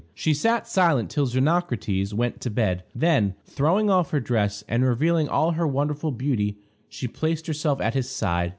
She sat silent till Xenocrates went to bed; then, throwing off her dress, and revealing all her wonderful beauty, she placed herself at his side.